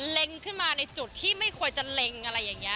ขึ้นมาในจุดที่ไม่ควรจะเล็งอะไรอย่างนี้